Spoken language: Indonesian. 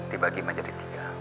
di bagi menjadi tiga